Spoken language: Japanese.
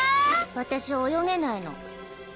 私泳げないの。